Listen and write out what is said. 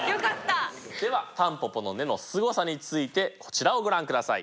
ではタンポポの根のすごさについてこちらをご覧ください。